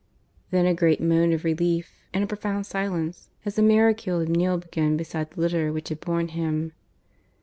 Then a great moan of relief; and a profound silence as the miracule kneeled again beside the litter which had borne him.